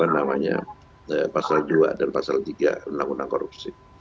namanya pasal dua dan pasal tiga undang undang korupsi